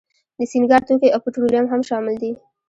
د سینګار توکي او پټرولیم هم شامل دي.